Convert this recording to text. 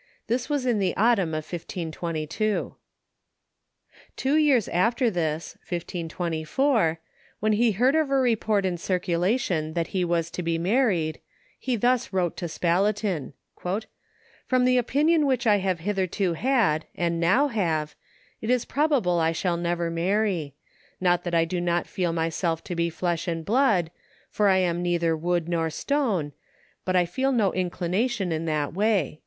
This was in the autumn of 1522. Two years after this (1524), when he heard of a report in circulation that he was to be married, he thus wrote to Spalatin: "From the opinion which I have hitherto had, and now have, it is probable I shall never marry; not that I do not feel myself to be flesh and blood, for I am neither wood nor stone, but I feel no inclination in that way."